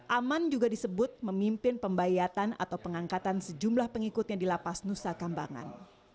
aman juga disebut memimpin pembayatan atau pengangkatan sejumlah pengikutnya di lapas nusa kambangan